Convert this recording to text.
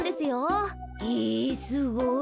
へえすごい。